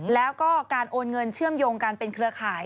แล้วก็การโอนเงินเชื่อมโยงการเป็นเครือข่าย